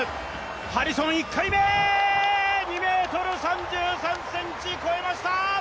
ハリソン１回目、２ｍ３３ｃｍ越えました！